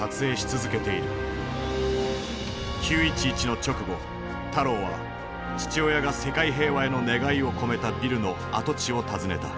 ９．１１の直後タローは父親が世界平和への願いを込めたビルの跡地を訪ねた。